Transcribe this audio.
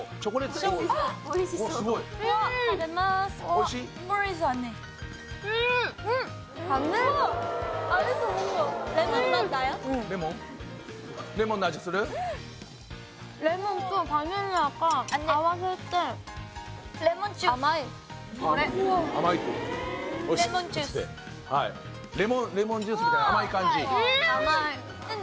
はいレモンジュースみたいな甘い感じ。